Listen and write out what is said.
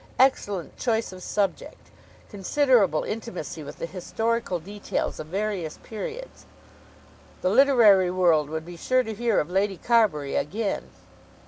"Excellent choice of subject." "Considerable intimacy with the historical details of various periods." "The literary world would be sure to hear of Lady Carbury again."